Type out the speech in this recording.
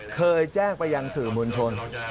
เคยแจ้งไปยังสื่อมวลชน